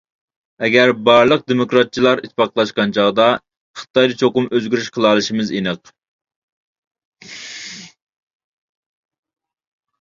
ئەگەر بارلىق دېموكراتچىلار ئىتتىپاقلاشقان چاغدا خىتايدا چوقۇم ئۆزگىرىش قىلالىشىمىز ئېنىق.